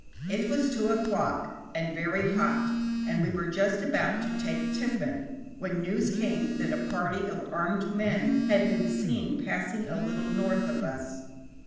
It was two o'clock, and very hot, and we were just about to take tiffin, when news came that a party of armed men had been seen passing a little north of us.